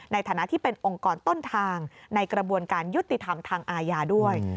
ในฐานะที่เป็นองค์กรต้นทางในกระบวนการยุติธรรมทางอาญาด้วย